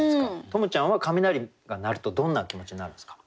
十夢ちゃんは雷が鳴るとどんな気持ちになるんですか？